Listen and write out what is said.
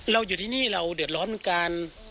เราอยู่ที่นี่เราเดือดร้อนกัน